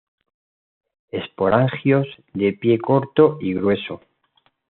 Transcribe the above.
Esporangios de pie corto y grueso.